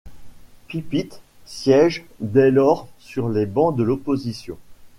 Pipite siège dès lors sur les bancs de l'opposition.